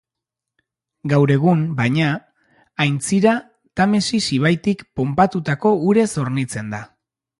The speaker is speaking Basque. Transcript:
Gaur egun, baina, aintzira, Tamesis ibaitik ponpatutako urez hornitzen da.